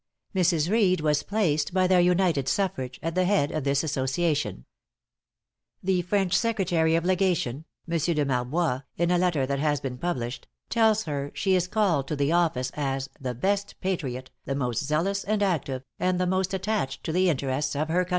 Mrs. Reed was placed, by their united suffrage, at the head of this association. The French Secretary of Legation, M. de Marbois, in a letter that has been published, tells her she is called to the office as "the best patriot, the most zealous and active, and the most attached to the interests of her country."